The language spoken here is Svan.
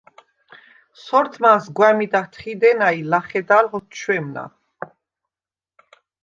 სორთმანს გვა̈მიდ ათხიდენა ი ლა̈ხედალ ოთჩვემნა.